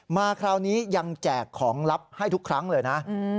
มาคราวนี้ยังแจกของลับให้ทุกครั้งเลยนะ